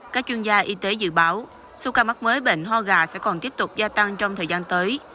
các chuyên gia y tế dự báo số ca mắc mới bệnh ho gà sẽ còn tiếp tục gia tăng trong thời gian tới